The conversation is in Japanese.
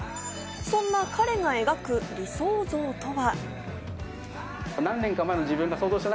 そんな彼が描く理想像とは。